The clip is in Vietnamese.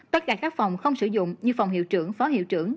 tất cả các phòng không sử dụng như phòng hiệu trưởng phó hiệu trưởng